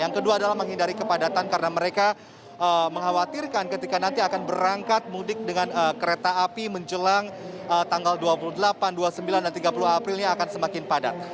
yang kedua adalah menghindari kepadatan karena mereka mengkhawatirkan ketika nanti akan berangkat mudik dengan kereta api menjelang tanggal dua puluh delapan dua puluh sembilan dan tiga puluh april ini akan semakin padat